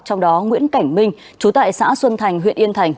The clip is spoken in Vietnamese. trong đó nguyễn cảnh minh chú tại xã xuân thành huyện yên thành